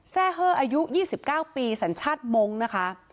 แทร่เฮออายุยี่สิบเก้าปีสัญชาติมงค์นะคะ